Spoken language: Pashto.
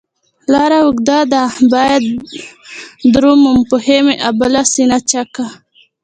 لار اوږده ده باندې درومم، پښي مې ابله سینه چاکه